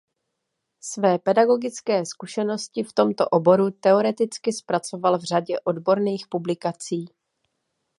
Své pedagogické zkušenosti v tomto oboru teoreticky zpracoval v řadě odborných publikací.